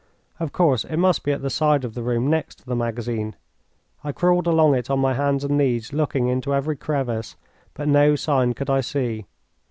Of course, it must be at the side of the room next to the magazine. I crawled along it on my hands and knees, looking into every crevice, but no sign could I see.